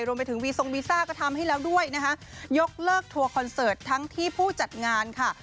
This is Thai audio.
รวมไปถึงวีทรงวีซ่าก็ทำให้แล้วด้วยนะคะยกเลิกทัวร์คอนเสิร์ตทั้งที่ผู้จัดงานค่ะ